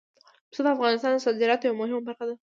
پسه د افغانستان د صادراتو یوه مهمه برخه ده.